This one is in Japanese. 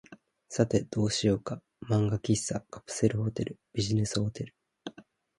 さて、どうしようか。漫画喫茶、カプセルホテル、ビジネスホテル、